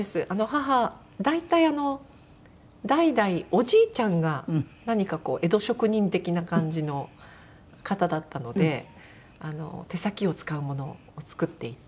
母大体代々おじいちゃんが何かこう江戸職人的な感じの方だったので手先を使うものを作っていて。